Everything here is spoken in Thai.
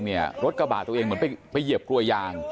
มีกล้วยติดอยู่ใต้ท้องเดี๋ยวพี่ขอบคุณ